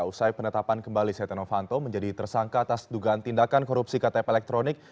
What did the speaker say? usai penetapan kembali setia novanto menjadi tersangka atas dugaan tindakan korupsi ktp elektronik